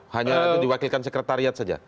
hanya diwakilkan sekretariat saja